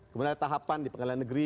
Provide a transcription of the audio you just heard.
kemudian ada tahapan di pengadilan negeri